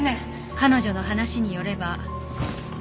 「彼女の話によれば」